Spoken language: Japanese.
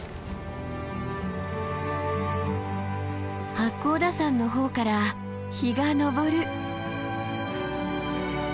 八甲田山の方から日が昇る。